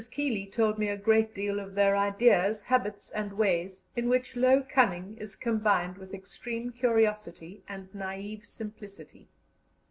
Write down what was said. Keeley told me a great deal of their ideas, habits, and ways, in which low cunning is combined with extreme curiosity and naïve simplicity.